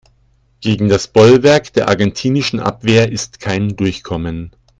Gegen das Bollwerk der argentinischen Abwehr ist kein Durchkommen.